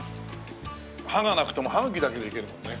歯がなくても歯茎だけでいけるもんね。